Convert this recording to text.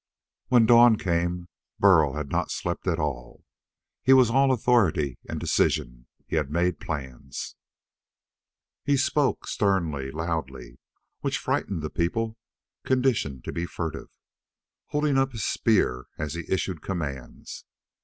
When dawn came, Burl had not slept at all. He was all authority and decision. He had made plans. He spoke sternly, loudly which frightened people conditioned to be furtive holding up his spear as he issued commands.